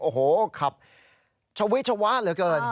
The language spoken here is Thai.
โอ้โหขับชวิชวาสเหลือเกิน